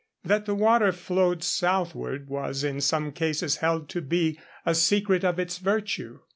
That the water flowed southward was in some cases held to be a secret of its virtue.